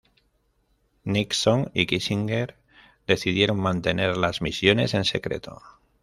Nixon y Kissinger decidieron mantener las misiones en secreto.